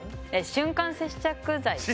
瞬間接着剤で。